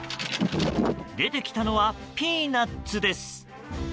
出てきたのはピーナツです。